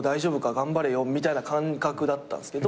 頑張れよみたいな感覚だったんですけど。